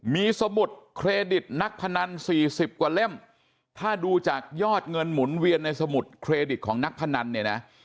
มีสมุดเครดิตนักพนันสี่สิบกว่าเล่มถ้าดูจากยอดเงินหมุนเวียนในสมุดเครดิตของนักพนันเนี่ยนะ